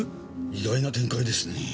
意外な展開ですね。